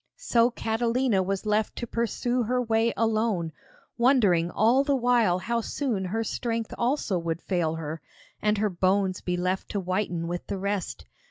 So Catalina was left to pursue her way alone, wondering all the while how soon her strength also would fail her, and her bones be left to whiten with the rest.